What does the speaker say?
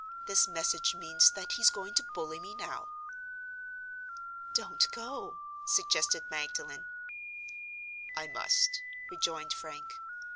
This message means that he's going to bully me now." "Don't go," suggested Magdalen. "I must," rejoined Frank.